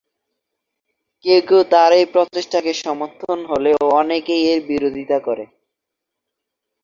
কেউ কেউ তার এই প্রচেষ্টাকে সমর্থন হলেও অনেকেই এর বিরোধিতা করে।